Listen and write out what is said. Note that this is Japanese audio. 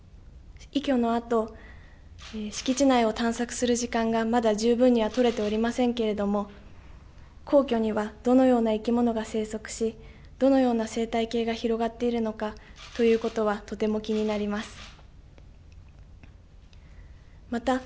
敷地内を探索する時間がまだ十分に取れていませんけれども皇居にはどのような生き物が生息し、どのような生態系が広がっているのかということはとても気になります。